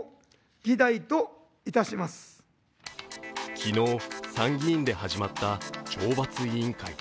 昨日、参議院で始まった懲罰委員会。